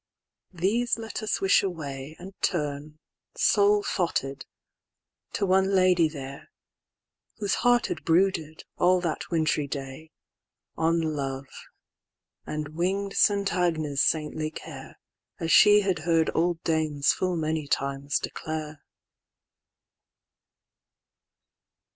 These let us wish away, And turn, sole thoughted, to one Lady there, Whose heart had brooded, all that wintry day, On love, and wing'd St. Agnes' saintly care, As she had heard old dames full many times declare.